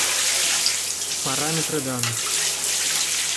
Параметры данных